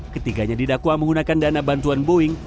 ketiganya didakwa menggunakan dana bantuan boeing